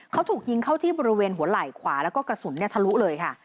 เขาถูกยิงเข้าที่บริเวณหัวไหล่ขวาแล้วก็กระสุนทะลุเลยค่ะ